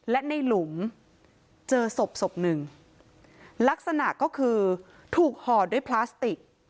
และในหลุมเจอศพศพหนึ่งลักษณะก็คือถูกห่อด้วยพลาสติก